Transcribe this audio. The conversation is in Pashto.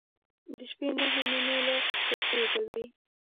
د شپې نهه نیمې، لس بجې به وې.